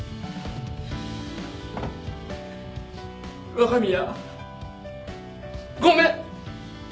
若宮ごめん。